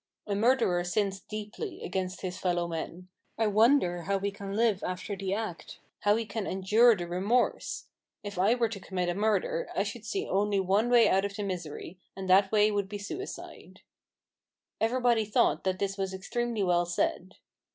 "A murderer sins deeply against his fellow men. I wonder how he can live after the act, how he can endure the remorse. If I were to commit a murder, I should see only one way out of the misery, and that way would be suicide." Everybody thought that this was extremely well said.